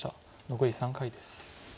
残り３回です。